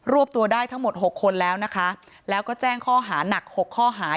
วบตัวได้ทั้งหมดหกคนแล้วนะคะแล้วก็แจ้งข้อหานักหกข้อหา